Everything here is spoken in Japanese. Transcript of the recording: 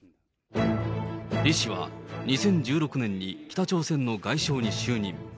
リ氏は、２０１６年に北朝鮮の外相に就任。